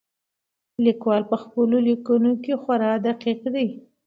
لیکوال په خپلو لیکنو کې خورا دقیق دی.